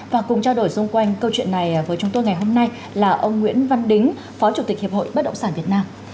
và cùng trao đổi xung quanh câu chuyện này với chúng tôi ngày hôm nay là ông nguyễn văn đính phó chủ tịch hiệp hội bất động sản việt nam